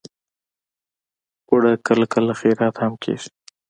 اوړه کله کله خیرات هم کېږي